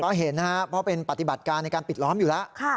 ก็เห็นนะครับเพราะเป็นปฏิบัติการในการปิดล้อมอยู่แล้ว